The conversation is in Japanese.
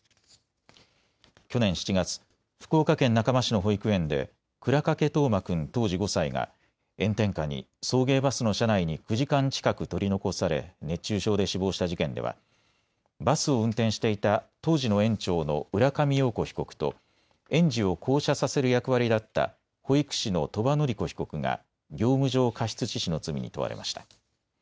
去年７月、福岡県中間市の保育園で倉掛冬生君、当時５歳が炎天下に送迎バスの車内に９時間近く取り残され熱中症で死亡した事件ではバスを運転していた当時の園長の浦上陽子被告と園児を降車させる役割だった保育士の鳥羽詞子被告が業務上過失致死の罪に問われました。